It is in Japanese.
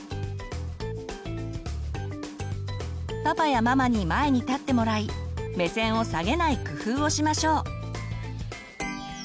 パパやママに前に立ってもらい目線を下げない工夫をしましょう。